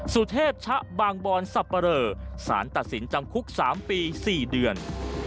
สุเทพชะบางบอนสับปะเรอสารตัดสินจำคุก๓ปี๔เดือน